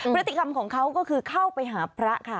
พฤติกรรมของเขาก็คือเข้าไปหาพระค่ะ